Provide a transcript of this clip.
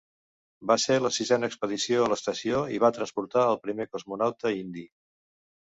Va ser la sisena expedició a l'estació, i va transportar el primer cosmonauta indi.